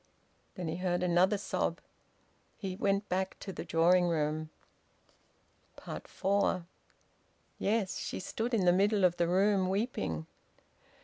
Then he heard another sob. He went back to the drawing room. FOUR. Yes! She stood in the middle of the room weeping.